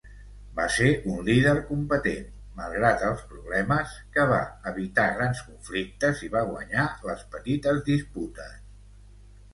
Va ser un líder competent, malgrat els problemes, que va evitar grans conflictes i va guanyar les petites disputes.